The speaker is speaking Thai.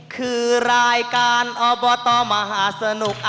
คือรายการอบตมหาสนุก